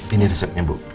ini resepnya bu